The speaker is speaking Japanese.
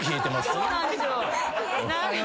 そうなんですよ。